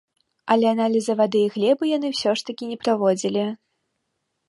Але аналізы вады і глебы яны ўсё ж такі не праводзілі.